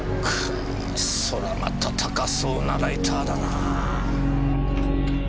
そりゃまた高そうなライターだな。